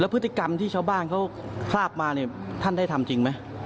แล้วพฤติกรรมที่ชาวบ้านเขาคราบมาท่านได้ทำจริงไหม